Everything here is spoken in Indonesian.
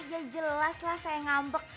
ya jelas lah saya ngambek